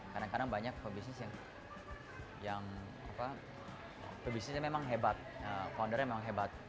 kadang kadang banyak pebisnis yang pebisnisnya memang hebat foundernya memang hebat